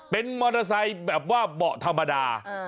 เป็นมอเตอร์ไซค์แบบว่าเบาะธรรมดา